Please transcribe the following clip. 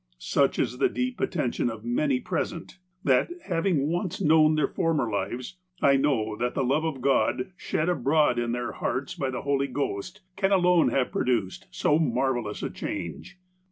Such is the deep attention of many present, that, having once known their former lives, I know that the love of God shed abroad in their hearts by the Holy Ghost can alone have produced so marvellous a change.